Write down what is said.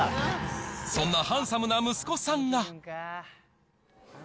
そんなハンサムな息子さんが。